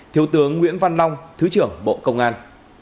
thiếu tướng nguyễn văn long thứ trưởng bộ công an